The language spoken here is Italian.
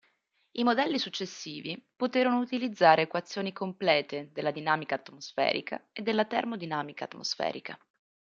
I modelli successivi poterono utilizzare equazioni complete della dinamica atmosferica e della termodinamica atmosferica.